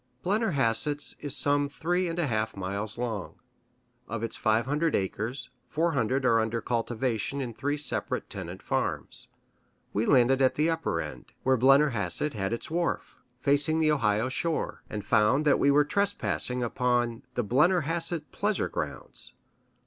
Blennerhassett's is some three and a half miles long; of its five hundred acres, four hundred are under cultivation in three separate tenant farms. We landed at the upper end, where Blennerhassett had his wharf, facing the Ohio shore, and found that we were trespassing upon "The Blennerhassett Pleasure Grounds."